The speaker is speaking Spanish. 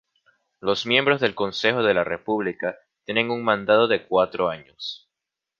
Los miembros del Consejo de la República tienen un mandato de cuatro años.